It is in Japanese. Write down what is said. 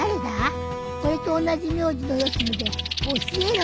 俺と同じ名字のよしみで教えろよ。